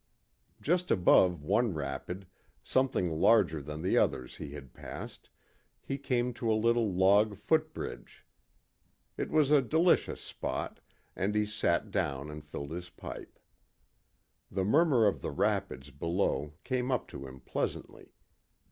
Just above one rapid, something larger than the others he had passed, he came to a little log footbridge. It was a delicious spot, and he sat down and filled his pipe. The murmur of the rapids below came up to him pleasantly.